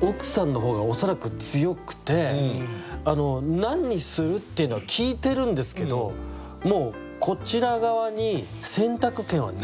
奥さんの方が恐らく強くて「何にする？」っていうのは聞いてるんですけどもうこちら側に選択権はないんですよ。